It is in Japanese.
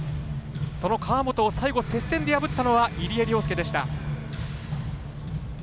その川本を接戦で破ったのは入江陵介でした。